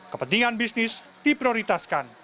kepentingan bisnis diprioritaskan